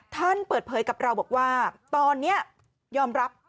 ท่านเปิดเผยกับเราบอกว่าตอนนี้ยอมรับ